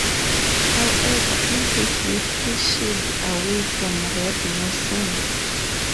However, in his youth he shied away from Reb Noson.